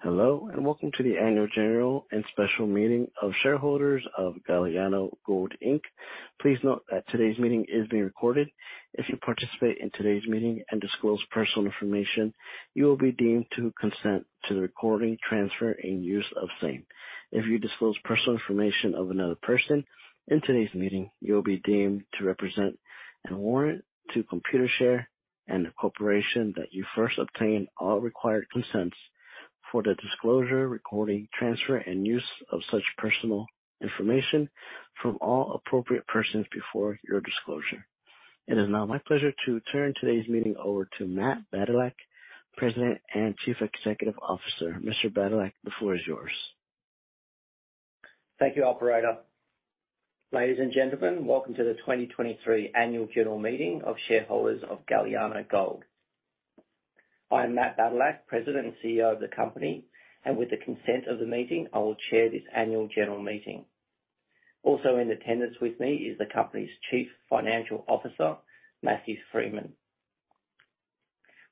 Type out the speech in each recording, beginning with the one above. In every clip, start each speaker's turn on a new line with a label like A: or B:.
A: Hello, welcome to the Annual General and Special Meeting of Shareholders of Galiano Gold Inc. Please note that today's meeting is being recorded. If you participate in today's meeting and disclose personal information, you will be deemed to consent to the recording, transfer, and use of same. If you disclose personal information of another person in today's meeting, you will be deemed to represent and warrant to Computershare and the corporation that you first obtained all required consents for the disclosure, recording, transfer, and use of such personal information from all appropriate persons before your disclosure. It is now my pleasure to turn today's meeting over to Matt Badylak, President and Chief Executive Officer. Mr. Badylak, the floor is yours.
B: Thank you, operator. Ladies and gentlemen, welcome to the 2023 Annual General Meeting of Shareholders of Galiano Gold. I'm Matt Badylak, President and CEO of the company, and with the consent of the meeting, I will chair this Annual General Meeting. Also in attendance with me is the company's Chief Financial Officer, Matthew Freeman.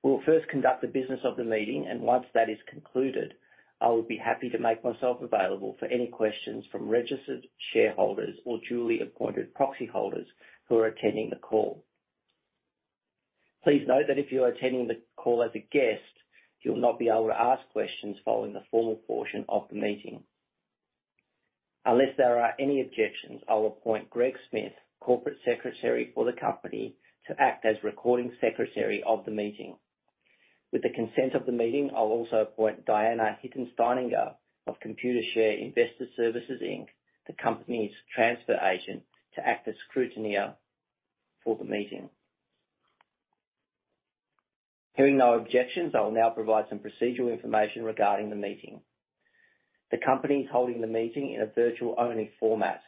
B: We'll first conduct the business of the meeting, and once that is concluded, I will be happy to make myself available for any questions from registered shareholders or duly appointed proxy holders who are attending the call. Please note that if you are attending the call as a guest, you'll not be able to ask questions following the formal portion of the meeting. Unless there are any objections, I'll appoint Greg Smith, Corporate Secretary for the company, to act as Recording Secretary of the meeting. With the consent of the meeting, I'll also appoint Diana Hickensteininger of Computershare Investor Services, Inc, the company's transfer agent, to act as scrutineer for the meeting. Hearing no objections, I will now provide some procedural information regarding the meeting. The company is holding the meeting in a virtual-only format.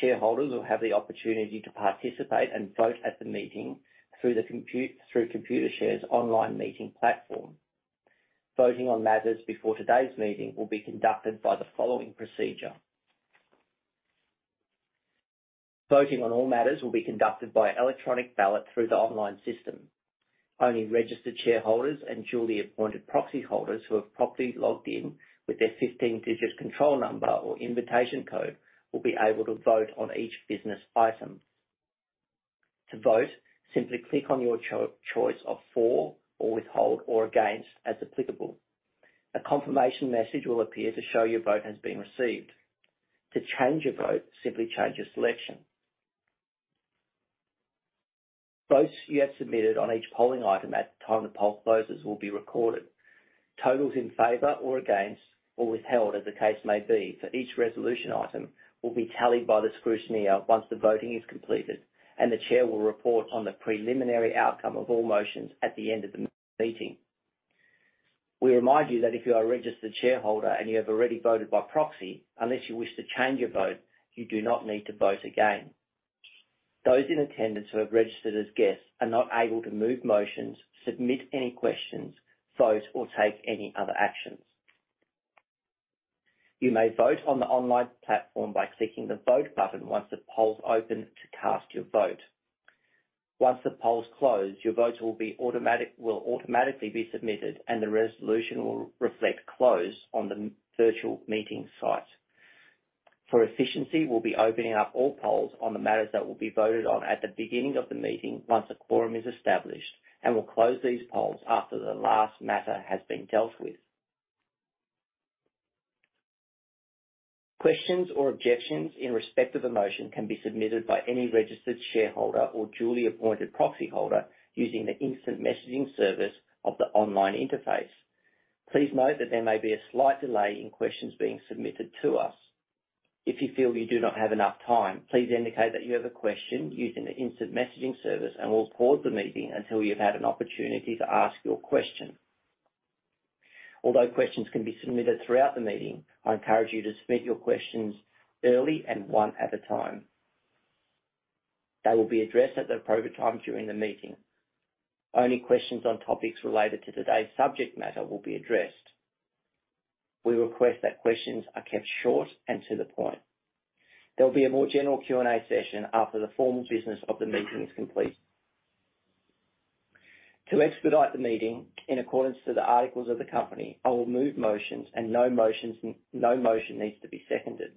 B: Shareholders will have the opportunity to participate and vote at the meeting through Computershare's online meeting platform. Voting on matters before today's meeting will be conducted by the following procedure. Voting on all matters will be conducted by electronic ballot through the online system. Only registered shareholders and duly appointed proxy holders who have properly logged in with their 15-digit control number or invitation code will be able to vote on each business item. To vote, simply click on your choice of "For," or "Withhold," or "Against" as applicable. A confirmation message will appear to show your vote has been received. To change your vote, simply change your selection. Votes you have submitted on each polling item at the time the poll closes will be recorded. Totals in favor or against, or withheld, as the case may be, for each resolution item will be tallied by the scrutineer once the voting is completed, and the chair will report on the preliminary outcome of all motions at the end of the meeting. We remind you that if you are a registered shareholder and you have already voted by proxy, unless you wish to change your vote, you do not need to vote again. Those in attendance who have registered as guests are not able to move motions, submit any questions, vote, or take any other actions. You may vote on the online platform by clicking the Vote button once the polls open to cast your vote. Once the polls close, your vote will automatically be submitted, and the resolution will reflect Close on the virtual meeting site. For efficiency, we'll be opening up all polls on the matters that will be voted on at the beginning of the meeting once a quorum is established, and we'll close these polls after the last matter has been dealt with. Questions or objections in respect of a motion can be submitted by any registered shareholder or duly appointed proxy holder using the instant messaging service of the online interface. Please note that there may be a slight delay in questions being submitted to us. If you feel you do not have enough time, please indicate that you have a question using the instant messaging service, and we'll pause the meeting until you've had an opportunity to ask your question. Although questions can be submitted throughout the meeting, I encourage you to submit your questions early and one at a time. They will be addressed at the appropriate time during the meeting. Only questions on topics related to today's subject matter will be addressed. We request that questions are kept short and to the point. There'll be a more general Q&A session after the formal business of the meeting is complete. To expedite the meeting in accordance to the articles of the company, I will move motions and no motions, no motion needs to be seconded.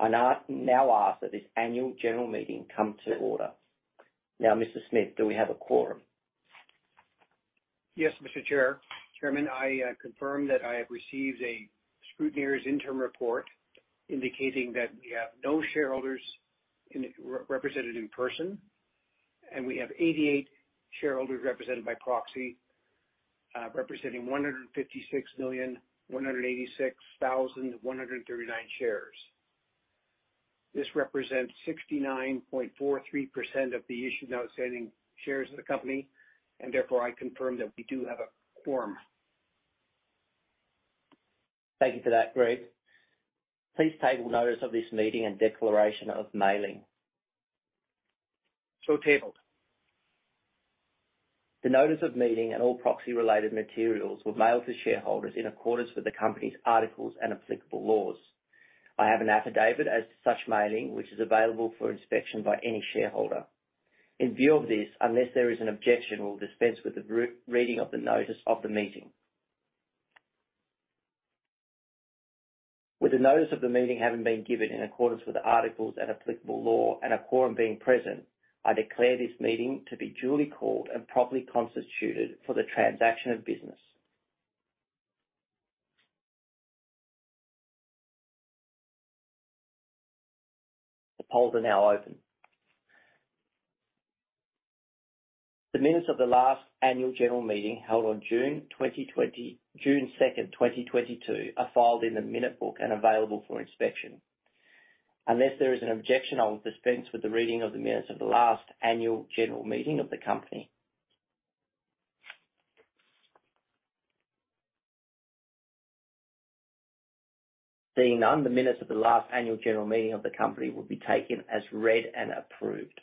B: I now ask that this Annual General Meeting come to order. Now, Mr. Smith, do we have a quorum?
C: Yes, Mr. Chair. Chairman, I confirm that I have received a scrutineer's interim report indicating that we have no shareholders represented in person, and we have 88 shareholders represented by proxy, representing 156,186,139 shares. This represents 69.43% of the issued outstanding shares of the company, and therefore I confirm that we do have a quorum.
B: Thank you for that, Greg. Please take notice of this meeting and declaration of mailing.
C: Tabled.
B: The notice of meeting and all proxy-related materials were mailed to shareholders in accordance with the company's articles and applicable laws. I have an affidavit as to such mailing, which is available for inspection by any shareholder. In view of this, unless there is an objection, we'll dispense with the re- reading of the notice of the meeting. With the notice of the meeting having been given in accordance with the articles and applicable law and a quorum being present, I declare this meeting to be duly called and properly constituted for the transaction of business. The polls are now open. The minutes of the last Annual General Meeting, held on June 2nd, 2022, are filed in the minute book and available for inspection. Unless there is an objection, I will dispense with the reading of the minutes of the last Annual General Meeting of the company. Seeing none, the minutes of the last Annual General Meeting of the company will be taken as read and approved.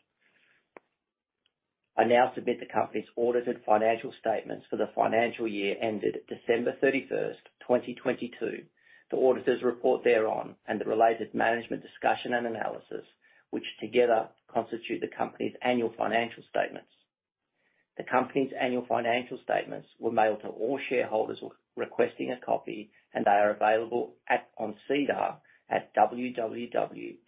B: I now submit the company's audited financial statements for the financial year ended December 31st, 2022, the auditor's report thereon, and the related Management Discussion and Analysis, which together constitute the company's annual financial statements. The company's annual financial statements were mailed to all shareholders requesting a copy, and they are available on SEDAR at www.sedar.com,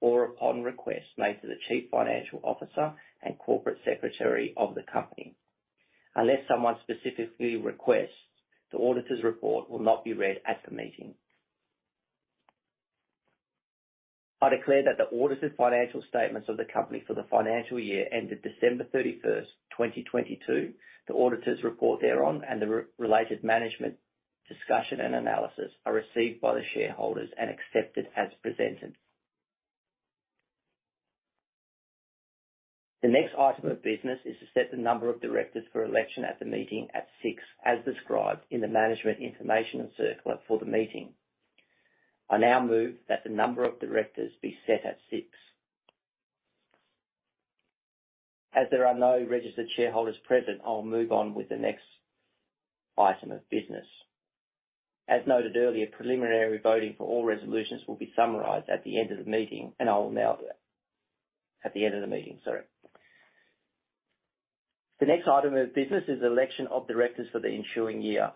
B: or upon request made to the Chief Financial Officer and Corporate Secretary of the company. Unless someone specifically requests, the auditor's report will not be read at the meeting. I declare that the audited financial statements of the company for the financial year ended December 31st, 2022, the auditor's report thereon, and the related management discussion and analysis, are received by the shareholders and accepted as presented. The next item of business is to set the number of directors for election at the meeting at six, as described in the Management Information Circular for the meeting. I now move that the number of directors be set at six. As there are no registered shareholders present, I'll move on with the next item of business. As noted earlier, preliminary voting for all resolutions will be summarized at the end of the meeting. I will now do that. At the end of the meeting, sorry. The next item of business is election of directors for the ensuing year.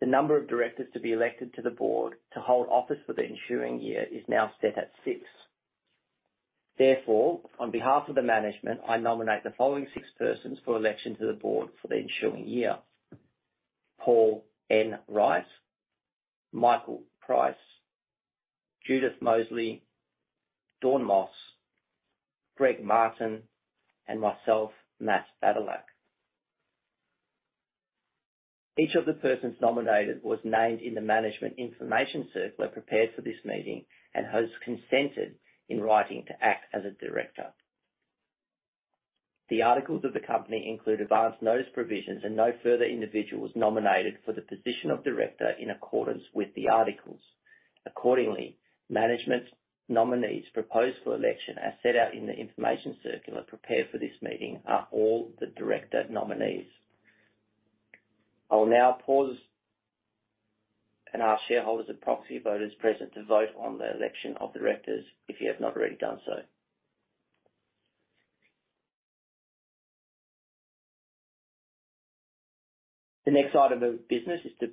B: The number of directors to be elected to the board to hold office for the ensuing year is now set at six. On behalf of the management, I nominate the following six persons for election to the board for the ensuing year: Paul N. Wright, Michael Price, Judith Mosely, Dawn Moss, Greg Martin, and myself, Matt Badylak. Each of the persons nominated was named in the Management Information Circular prepared for this meeting and has consented in writing to act as a director. The articles of the company include advanced notice provisions, and no further individual was nominated for the position of director in accordance with the articles. Accordingly, management's nominees proposed for election, as set out in the information circular prepared for this meeting, are all the director nominees. I will now pause and ask shareholders and proxy voters present to vote on the election of directors if you have not already done so. The next item of business is to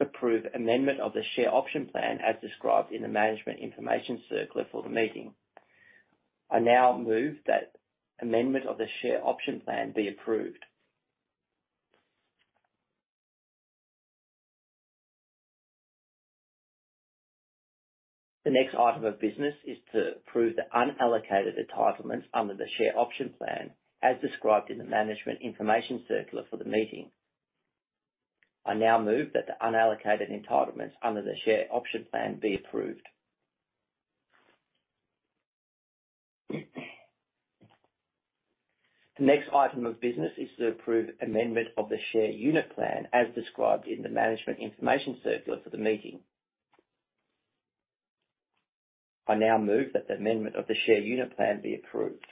B: approve amendment of the Share Option Plan, as described in the Management Information Circular for the meeting. I now move that amendment of the Share Option Plan be approved. The next item of business is to approve the Unallocated Entitlements under the Share Option Plan, as described in the Management Information Circular for the meeting. I now move that the Unallocated Entitlements under the Share Option Plan be approved. The next item of business is to approve amendment of the Share Unit Plan, as described in the Management Information Circular for the meeting. I now move that the amendment of the Share Unit Plan be approved.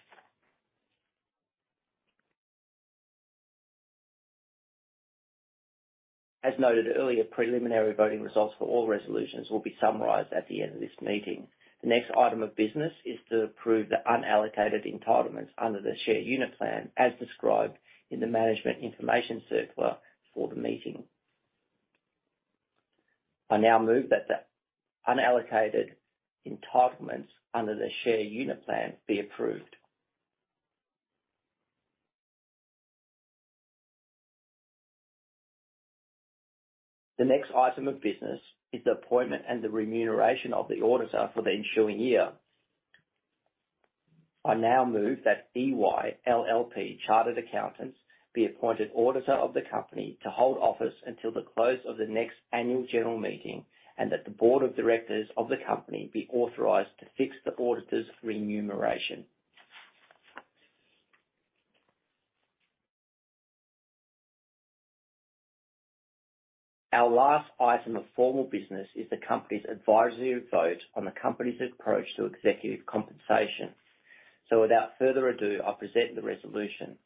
B: As noted earlier, preliminary voting results for all resolutions will be summarized at the end of this meeting. The next item of business is to approve the Unallocated Entitlements under the Share Unit Plan, as described in the Management Information Circular for the meeting. I now move that the Unallocated Entitlements under the Share Unit Plan be approved. The next item of business is the appointment and the remuneration of the auditor for the ensuing year. I now move that EY LLP Chartered Accountants be appointed auditor of the company to hold office until the close of the next Annual General Meeting, and that the board of directors of the company be authorized to fix the auditor's remuneration. Our last item of formal business is the company's advisory vote on the company's approach to executive compensation. Without further ado, I present the resolution.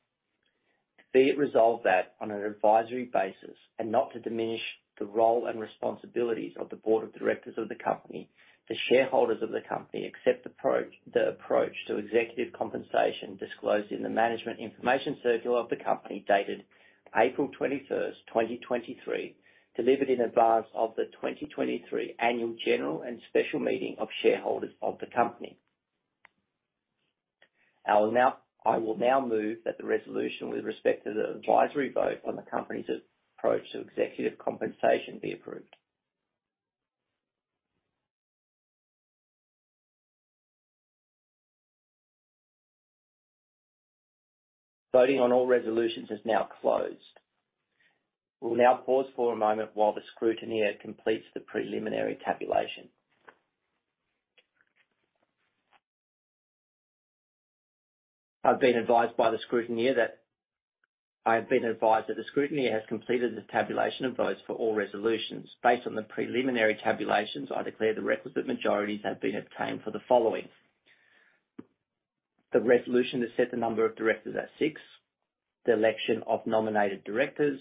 B: Be it resolved that on an advisory basis, and not to diminish the role and responsibilities of the board of directors of the company, the shareholders of the company accept the approach to executive compensation disclosed in the Management Information Circular of the company, dated April 21st, 2023, delivered in advance of the 2023 Annual General and Special Meeting of shareholders of the company. I will now move that the resolution with respect to the advisory vote on the company's approach to executive compensation be approved. Voting on all resolutions is now closed. We'll now pause for a moment while the scrutineer completes the preliminary tabulation. I have been advised that the scrutineer has completed the tabulation of votes for all resolutions. Based on the preliminary tabulations, I declare the requisite majorities have been obtained for the following: The resolution to set the number of directors at six, the election of nominated directors,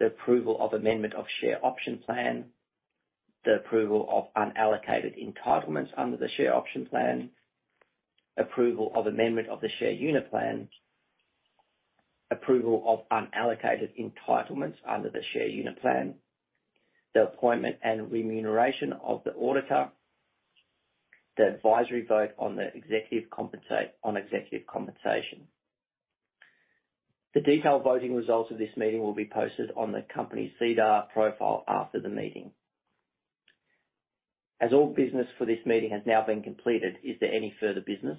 B: the approval of amendment of Share Option Plan, the approval of Unallocated Entitlements under the Share Option Plan, approval of amendment of the Share Unit Plan, approval of Unallocated Entitlements under the Share Unit Plan, the appointment and remuneration of the auditor, the advisory vote on executive compensation. The detailed voting results of this meeting will be posted on the company's SEDAR profile after the meeting. As all business for this meeting has now been completed, is there any further business?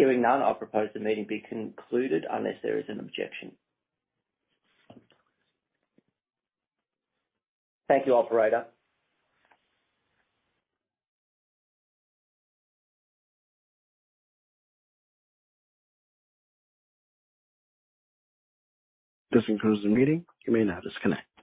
B: Hearing none, I propose the meeting be concluded unless there is an objection. Thank you, operator.
A: This concludes the meeting. You may now disconnect.